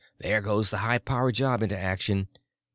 There goes the high power job into action."